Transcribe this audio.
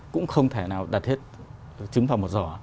cũng không thể nào đặt hết chứng vào một giỏ